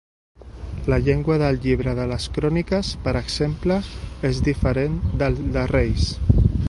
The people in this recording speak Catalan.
La llengua del llibre de les Cròniques, per exemple, és diferent del de Reis.